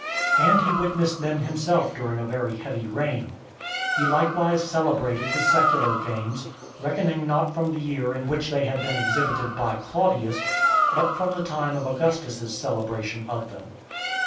And he witnessed them himself during a very heavy rain. He likewise celebrated the Secular games , reckoning not from the year in which they had been exhibited by Claudius, but from the time of Augustus's celebration of them.